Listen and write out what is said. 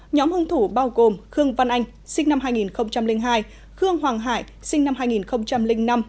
nhóm hung thủ bao gồm khương văn anh sinh năm hai nghìn hai khương hoàng hải sinh năm hai nghìn năm